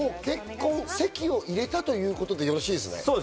籍を入れたということでよろしいですね？